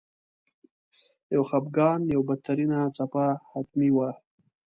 د خپګان یوه بدترینه څپه حتمي وه.